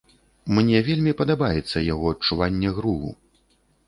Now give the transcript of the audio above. Мне вельмі падабаецца яго адчуванне груву.